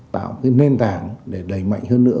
tạo cái nền tảng để đẩy mạnh hơn nữa